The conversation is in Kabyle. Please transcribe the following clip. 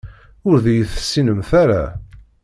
Ur d-iyi-tessinemt ara.